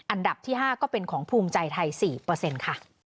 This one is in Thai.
อันดับที่๕ก็เป็นของภูมิใจไทย๔เปอร์เซ็นต์ค่ะ